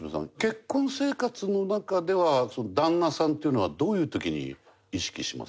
結婚生活の中では旦那さんというのはどういう時に意識します？